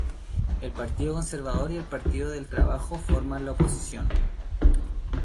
El Partido Conservador y el Partido del Trabajo forman la oposición.